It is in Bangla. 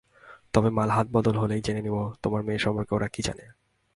তবে মাল হাতবদল হলেই জেনে নেবো তোমার মেয়ে সম্পর্কে ওরা কী জানে।